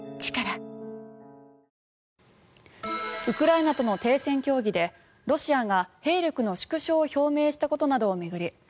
ウクライナとの停戦協議でロシアが兵力の縮小を表明したことなどを巡り